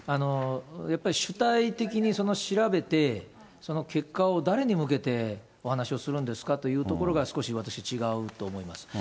やっぱり主体的に、その調べて、結果を誰に向けてお話をするんですかというところが、少し私違うと思います。